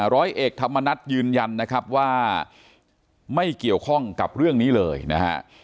ร้อยเอกธรรมนัฏยืนยันนะครับว่าไม่เกี่ยวข้องกับเรื่องนี้เลยนะฮะ